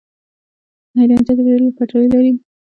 حیرتان د ریل پټلۍ لري